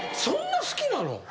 そんな好きなの？